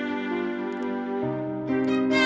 kenapa andin udah tidur sih